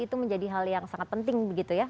itu menjadi hal yang sangat penting begitu ya